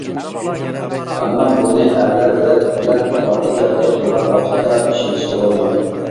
ئەمما بۇنى ئەرلەر بىلەن باردى-كەلدى قىلغان ۋاقىتتا ئىشلىتىشكە بولمايدۇ.